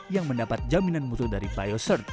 yang mendapat jaminan mutu dari biosert